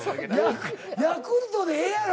ヤクヤクルトでええやろ。